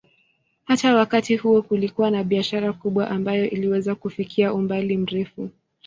Hata wakati huo kulikuwa na biashara kubwa ambayo iliweza kufikia umbali mrefu.